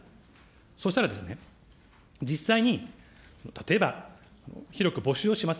そうしたらですね、実際に例えば、広く募集をします。